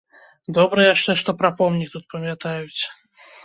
Добра яшчэ, што пра помнік тут памятаюць.